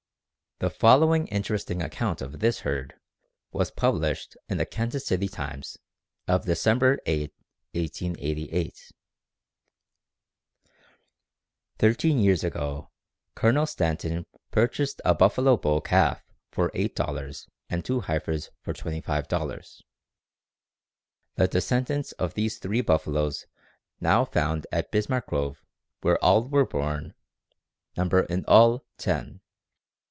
The following interesting account of this herd was published in the Kansas City Times of December 8, 1888: "Thirteen years ago Colonel Stanton purchased a buffalo bull calf for $8 and two heifers for $25. The descendants of these three buffaloes now found at Bismarck Grove, where all were born, number in all ten.